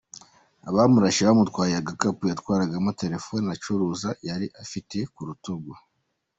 Abamurashe bamutwaye agakapu yatwaragamo telefoni acuruza yari afite ku rutugu.